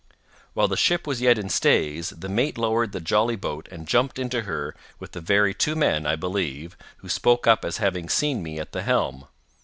While the ship was yet in stays, the mate lowered the jolly boat and jumped into her with the very two men, I believe, who spoke up as having seen me at the helm.